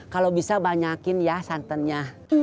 kalau bisa banyakin ya santannya